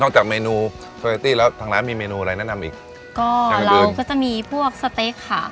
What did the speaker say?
นอกจากเมนูแล้วทางร้านมีเมนูอะไรแนะนำอีกก็เราก็จะมีพวกสเต๊กค่ะ